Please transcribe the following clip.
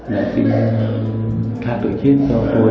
đã xin tha tội chết cho tôi